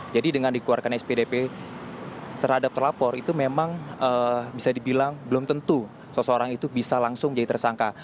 jadi dengan dikeluarkan spdp terhadap terlapor itu memang bisa dibilang belum tentu seseorang itu bisa langsung menjadi tersangka